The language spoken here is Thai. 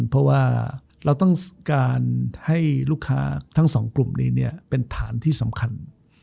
เพราะว่าเราต้องการให้ลูกค้าทั้งสองกลุ่มนี้เป็นฐานที่สำคัญ